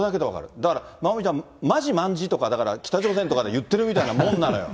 だからまおみちゃん、まじまんじとかだから、北朝鮮とかで言ってるみたいなもんなのよ。